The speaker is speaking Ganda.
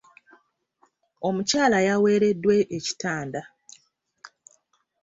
Omukyala yawereddwa ekitanda.